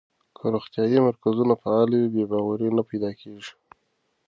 که روغتیايي مرکزونه فعال وي، بې باوري نه پیدا کېږي.